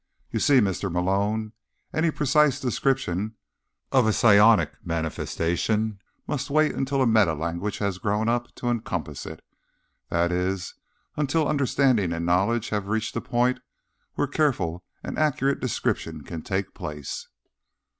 You see, Mr. Malone, any precise description of a psionic manifestation must wait until a metalanguage has grown up to encompass it; that is, until understanding and knowledge have reached the point where careful and accurate description can take place."